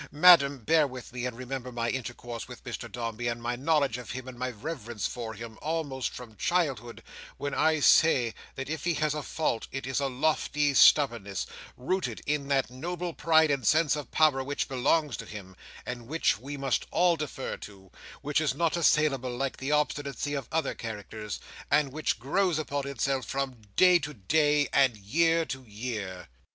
Madam, bear with me, and remember my intercourse with Mr Dombey, and my knowledge of him, and my reverence for him, almost from childhood, when I say that if he has a fault, it is a lofty stubbornness, rooted in that noble pride and sense of power which belong to him, and which we must all defer to; which is not assailable like the obstinacy of other characters; and which grows upon itself from day to day, and year to year."